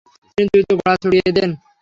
তিনি দ্রুত ঘোড়া ছুটিয়ে দেন।